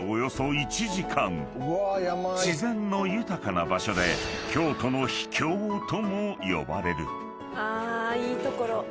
［自然の豊かな場所で京都の秘境とも呼ばれる］